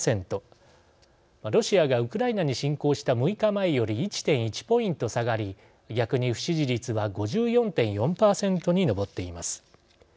ロシアがウクライナに侵攻した６日前より１．１ポイント下がり逆に不支持率は５４．４％に上っています。